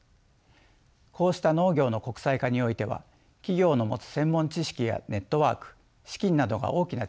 こうした農業の国際化においては企業の持つ専門知識やネットワーク資金などが大きな力となります。